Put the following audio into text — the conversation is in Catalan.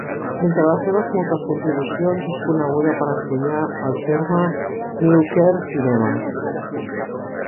Entre les seves moltes contribucions, és coneguda per encunyar el terme New Queer Cinema.